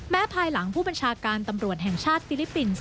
ภายหลังผู้บัญชาการตำรวจแห่งชาติฟิลิปปินส์